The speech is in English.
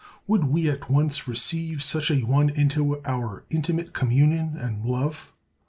Would we at once receive such a one into our intimate communion and love?